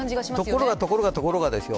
ところがところがところがです。